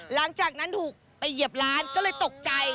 หลังจากนั้นถูกไปเหยียบร้านก็เลยตกใจ